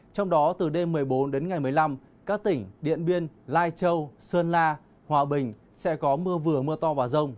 trong đó từ đêm một mươi bốn đến ngày một mươi năm các tỉnh điện biên lai châu sơn la hòa bình sẽ có mưa vừa mưa to và rông